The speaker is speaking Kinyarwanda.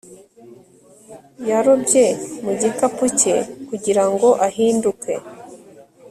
yarobye mu gikapu cye kugira ngo ahinduke